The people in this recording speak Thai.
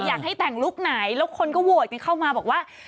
อยากให้แต่งลุคไหนแล้วคนก็โหวตกันเข้ามาบอกว่า